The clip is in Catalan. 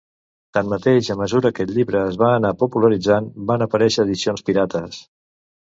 Tanmateix, a mesura que el llibre es va anar popularitzant, van aparèixer edicions pirates.